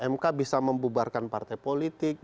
mk bisa membubarkan partai politik